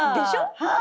はい！